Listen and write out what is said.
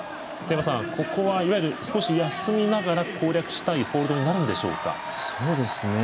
ここは、いわゆる少し休みながら攻略したいポイントになるんでしょうか？